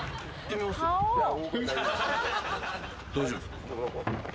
大丈夫っすか？